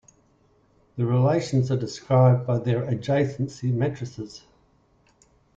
The relations are described by their adjacency matrices.